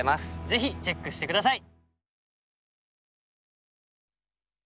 ぜひチェックして下さい。